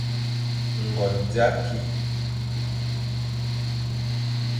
Ngon za ki,